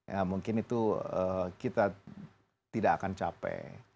ya mungkin itu kita tidak akan capai